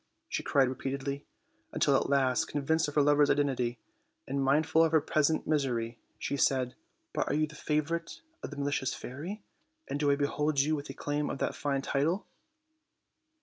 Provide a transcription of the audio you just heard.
she cried repeatedly, until at last, convinced of her lover's identity, and mindful of her present misery, she said: "But are you the fa vorite of the malicious fairy? And do I behold you with a claim to that fine title?"